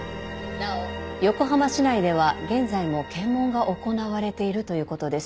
なお横浜市内では現在も検問が行われているということです。